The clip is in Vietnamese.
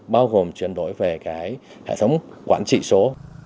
bao gồm chuyển đổi về cái hệ thống quản trị số